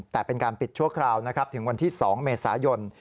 แต่เป็นการปิดชั่วคราวนะครับถึงวันที่๒เมษายน